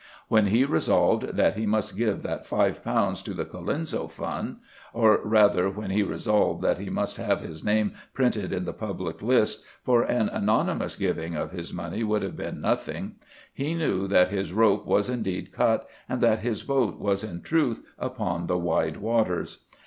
When he resolved that he must give that five pounds to the Colenso fund, or rather when he resolved that he must have his name printed in the public list, for an anonymous giving of his money would have been nothing, he knew that his rope was indeed cut, and that his boat was in truth upon the wide waters.